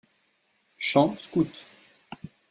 Chants scouts.